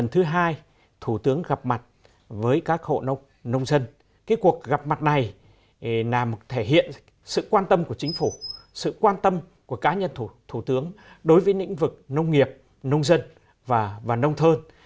nông dân cái cuộc gặp mặt này là một thể hiện sự quan tâm của chính phủ sự quan tâm của cá nhân thủ tướng đối với những vực nông nghiệp nông dân và nông thơ